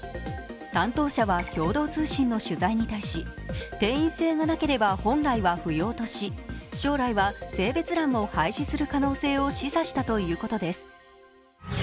担当者は共同通信の取材に対し定員制がなければ本来は不要とし将来は性別欄を廃止する可能性を示唆したということです。